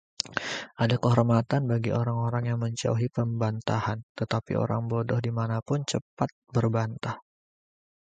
Ada kehormatan bagi orang yang menjauhi perbantahan, tetapi orang bodoh mana pun cepat berbantah.